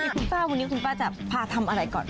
คุณป้าคนนี้คุณป้าจะพาทำอะไรก่อน